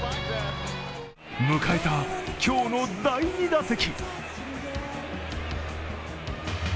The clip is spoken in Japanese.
迎えた今日の第２打席。